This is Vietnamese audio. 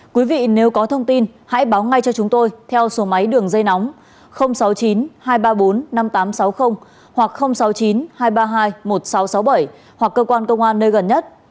quý vị nếu có thông tin hãy báo ngay cho chúng tôi theo số máy đường dây nóng sáu mươi chín hai trăm ba mươi bốn năm nghìn tám trăm sáu mươi hoặc sáu mươi chín hai trăm ba mươi hai một nghìn sáu trăm sáu mươi bảy hoặc cơ quan công an nơi gần nhất